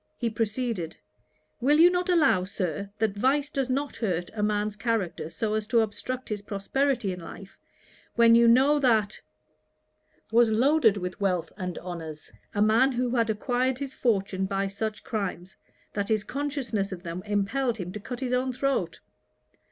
He proceeded: 'Will you not allow, Sir, that vice does not hurt a man's character so as to obstruct his prosperity in life, when you know that was loaded with wealth and honours; a man who had acquired his fortune by such crimes, that his consciousness of them impelled him to cut his own throat.'